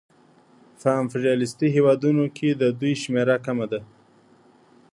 په امپریالیستي هېوادونو کې د دوی شمېره کمه ده